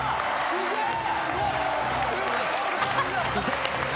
すげえ！